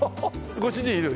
ご主人いる？